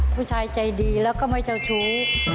ผู้ชายใจดีแล้วก็ไม่เจ้าชู้